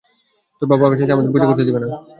তোর বাব-চাচা আমাদের পূজা করতে দিবে না।